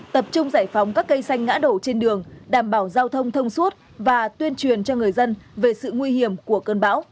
tập trung giải phóng các cây xanh ngã đổ trên đường đảm bảo giao thông thông suốt và tuyên truyền cho người dân về sự nguy hiểm của cơn bão